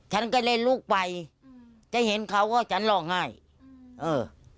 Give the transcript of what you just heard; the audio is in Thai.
ฉันก็เล่นลูกไปจะเห็นเขาก็ฉันลองไห้เออ